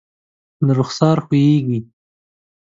له رخسار ښویېږي